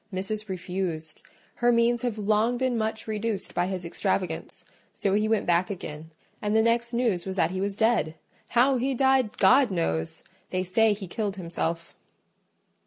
Missis refused: her means have long been much reduced by his extravagance; so he went back again, and the next news was that he was dead. How he died, God knows!—they say he killed himself."